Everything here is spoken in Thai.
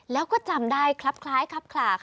แล้วก็จำได้ครับคล้ายคลับคลาค่ะ